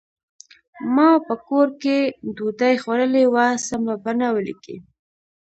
ما په کور کې ډوډۍ خوړلې وه سمه بڼه ولیکئ.